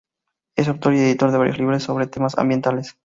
Es autor y editor de varios libros sobre temas ambientales.